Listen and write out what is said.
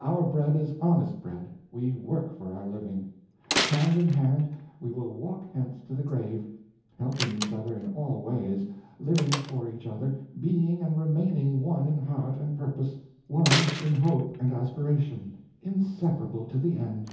Our bread is honest bread, we work for our living. Hand in hand we will walk hence to the grave, helping each other in all ways, living for each other, being and remaining one in heart and purpose, one in hope and aspiration, inseparable to the end.